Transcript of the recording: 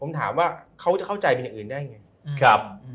ผมถามว่าเขาจะเข้าใจเป็นอย่างอื่นได้ไง